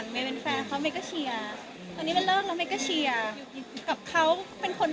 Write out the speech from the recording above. ไม่เลิกค่ะไม่เลิกดูบอล